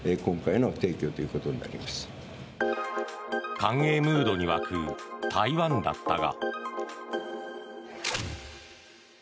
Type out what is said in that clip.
歓迎ムードに沸く台湾だったが。